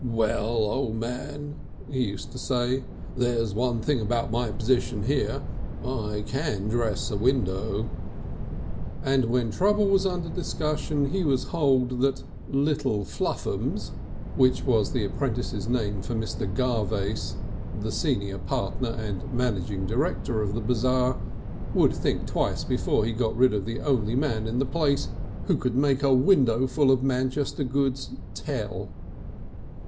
"Well, O' Man," he used to say, "there's one thing about my position here, I can dress a window." And when trouble was under discussion he would hold that "little Fluffums" which was the apprentices' name for Mr. Garvace, the senior partner and managing director of the Bazaar would think twice before he got rid of the only man in the place who could make a windowful of Manchester goods tell.